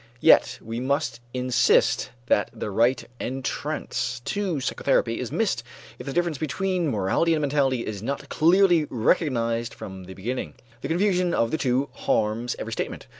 Yet we must insist that the right entrance to psychotherapy is missed if the difference between morality and mentality is not clearly recognized from the beginning. The confusion of the two harms every statement.